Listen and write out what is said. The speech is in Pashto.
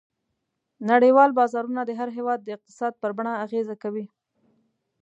نړیوال بازارونه د هر هېواد د اقتصاد پر بڼه اغېزه کوي.